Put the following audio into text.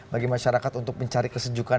bagi masyarakat untuk mencari kesejukan